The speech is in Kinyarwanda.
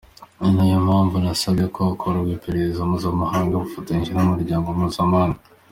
Ni nayo mpamvu nasabye ko hakorwa iperereza mpuzamahanga bafatanyije n’Umuryango Mpuzamahanga.